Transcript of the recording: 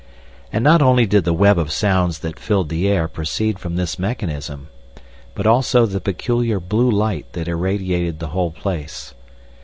And not only did the web of sounds that filled the air proceed from this mechanism, but also the peculiar blue light that irradiated the whole place.